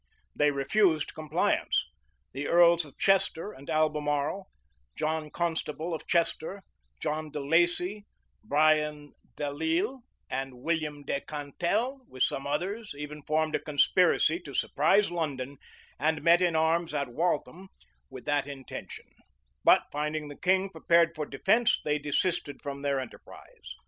They refused compliance: the earls of Chester and Albemarle, John Constable of Chester, John de Lacy, Brian de l'Isle, and William de Cantel, with some others, even formed a conspiracy to surprise London, and met in arms at Waltham with that intention: but finding the king prepared for defence, they desisted from their enterprise.